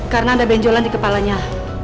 karena ada benjolan di kepalanya